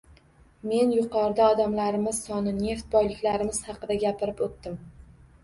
Men yuqorida odamlarimiz soni, neft boyliklarimiz haqida gapirib o‘tdim